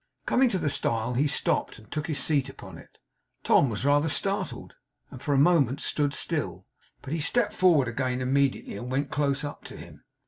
Coming to the stile he stopped, and took his seat upon it. Tom was rather startled, and for a moment stood still, but he stepped forward again immediately, and went close up to him.